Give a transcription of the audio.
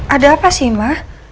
ada apa sih ma